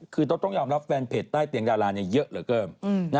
คือต้องยอมรับแฟนเพจใต้เตียงดาราเยอะเหลือเกิน